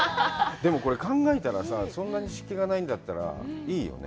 でも、これ、考えたらさ、そんなに湿気がないんだったらいいよね。